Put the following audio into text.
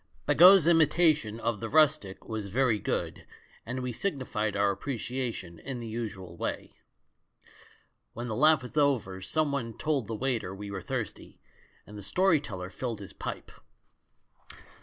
Bagot's imitation of the rustic was very good, and we signified our appreciation in the usual way. When the laugh was over someone told the waiter we were thirsty, and the story teller filled his pipe.